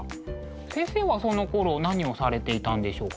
先生はそのころ何をされていたんでしょうか？